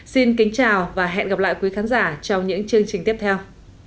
xin kính chào và hẹn gặp lại quý khán giả trong những chương trình tiếp theo